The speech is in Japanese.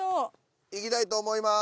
いきたいと思います。